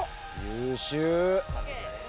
優秀。